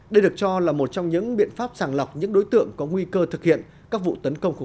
đây được cho là một trong những biện pháp sàng lọc những đối tượng có nguyên liệu